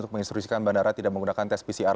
untuk menginstruisikan bandara tidak menggunakan tes pcr